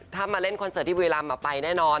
ถ้ามาเล่นคอนเสิร์ตที่บุรีรำไปแน่นอน